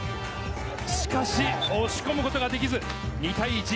しかし押し込むことができず、２対１。